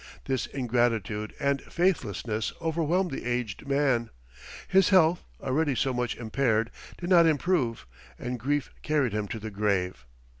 This ingratitude and faithlessness overwhelmed the aged man; his health, already so much impaired, did not improve, and grief carried him to the grave.